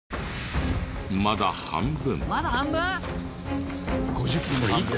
まだ半分。